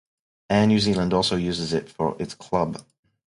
Air New Zealand also uses it for its club.